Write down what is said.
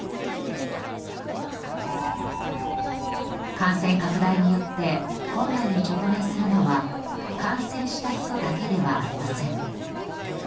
感染拡大によって困難に直面するのは感染した人だけではありません。